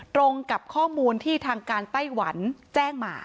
ตรงกับข้อมูลที่ทางการไต้หวันแจ้งมา